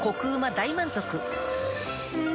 大満足うん！